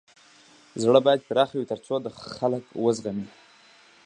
زړه بايد پراخه وي تر څو د خلک و زغمی.